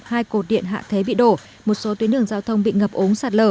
hai cột điện hạ thế bị đổ một số tuyến đường giao thông bị ngập ống sạt lở